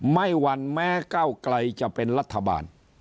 วันแม้เก้าไกลจะเป็นรัฐบาล